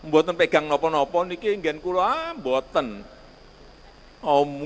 tidak pegang nopo nopo ini tidak ada yang menggunakan